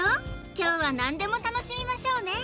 今日は何でも楽しみましょうね